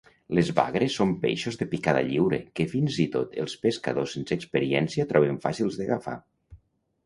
Les bagres són peixos de picada lliure que fins i tot els pescadors sense experiència troben fàcils d'agafar.